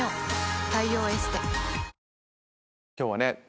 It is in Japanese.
今日はね